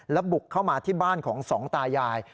แล้วบุกเข้ามาที่บ้านของสองตายาย